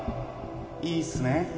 いいっすね